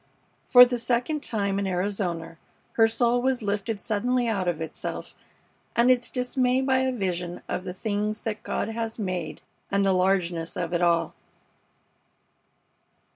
For the second time in Arizona her soul was lifted suddenly out of itself and its dismay by a vision of the things that God has made and the largeness of it all.